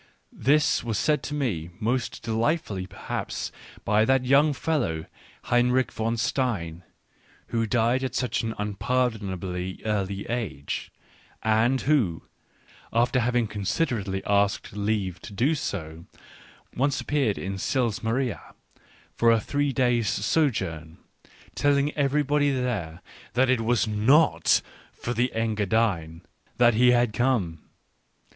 ... This was said to me most delightfully perhaps by that young fellow Heinrich von Stein, who died at such an unpardonably early age, and who, after having considerately asked leave to do so, once appeared in Sils Maria for a three days' sojourn, telling every body there that it was not for the Engadine that he had come.